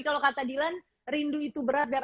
kalau kata dilan rindu itu berat